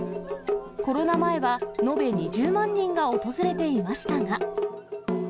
コロナ前は延べ２０万人が訪れていましたが。